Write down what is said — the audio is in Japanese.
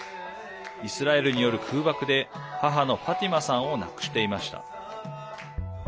イスラエルによる空爆で母のファティマさんを亡くしていました。